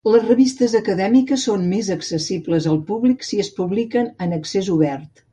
Les revistes acadèmiques són més accessibles al públic si es publiquen en "accés obert".